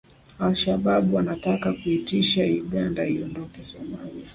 Al Shabab wanataka kuitisha Uganda iondoke Somalia